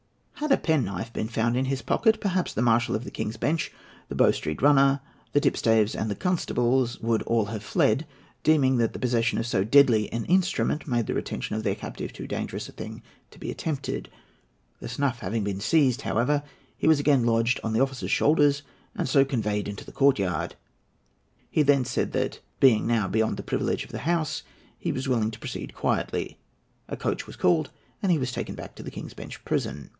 Had a penknife been found in his pocket, perhaps the Marshal of the King's Bench, the Bow Street runner, the tipstaves, and the constables would all have fled, deeming that the possession of so deadly an instrument made the retention of their captive too dangerous a thing to be attempted. The snuff having been seized, however, he was again lodged on the officers' shoulders and so conveyed into the courtyard. He then said that, being now beyond the privilege of the House, he was willing to proceed quietly. A coach was called, and he was taken back to the King's Bench Prison.